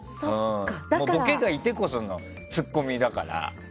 ボケがいてこそのツッコミだから。